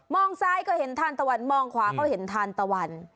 ซ้ายก็เห็นทานตะวันมองขวาเขาเห็นทานตะวัน